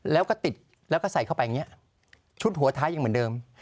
แล้วก็ติดแล้วก็ใส่เข้าไปอย่างนี้ชุดหัวท้ายยังเหมือนเดิม